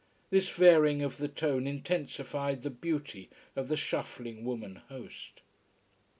This varying of the tone intensified the beauty of the shuffling woman host.